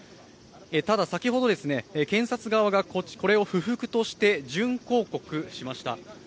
ただ、先ほど検察側がこれを不服として準抗告しました。